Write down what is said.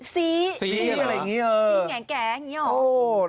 สีสีแหละอย่างงี้เออสีแข็งอย่างงี้หรอ